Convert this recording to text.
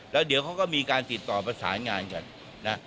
แล้วเดี๋ยวเขาก็มีการติดต่อประสานงานกันนะ